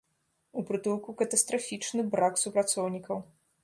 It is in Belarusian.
У прытулку катастрафічны брак супрацоўнікаў.